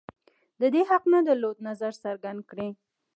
د دې حق نه درلود نظر څرګند کړي